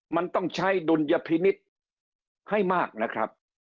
มันต้องใช้ดุลยพินิษฐ์ให้มากนะครับ